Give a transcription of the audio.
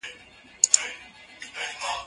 زه مخکي لاس مينځلي و؟!